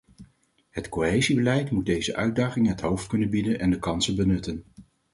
Het cohesiebeleid moet deze uitdagingen het hoofd kunnen bieden en de kansen benutten.